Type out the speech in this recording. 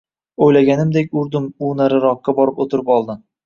Oʻylaganimdek urdim u nariroqga borib oʻtirib qoldi.